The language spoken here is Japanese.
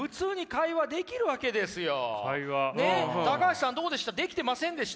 高橋さんどうでした？